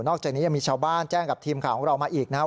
อกจากนี้ยังมีชาวบ้านแจ้งกับทีมข่าวของเรามาอีกนะครับ